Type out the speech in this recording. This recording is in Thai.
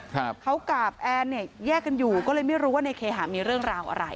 ครับเขากับแอนเนี่ยแยกกันอยู่ก็เลยไม่รู้ว่าในเคหามีเรื่องราวอะไร